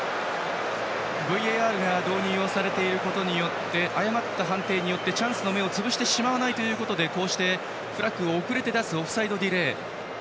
ＶＡＲが導入されていることにより誤った判定によってチャンスの芽を潰してしまわないということでこうしてフラッグを遅れて出すオフサイドディレイ。